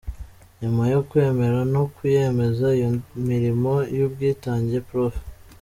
Nyuma yo kwemera no kwiyemeza iyo mirimo y’ubwitange Prof.